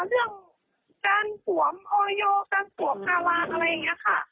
เรื่องการสวมออยการสวมคารานอะไรอย่างนี้ค่ะ